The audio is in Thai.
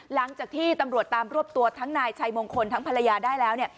หลังจากที่ตำรวจตามรวบตัวทั้งนายชัยมงคลทั้งภรรยาได้แล้วเนี่ย